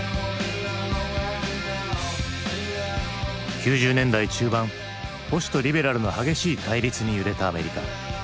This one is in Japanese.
９０年代中盤保守とリベラルの激しい対立に揺れたアメリカ。